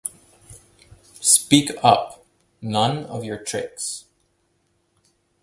Speak up; none of your tricks.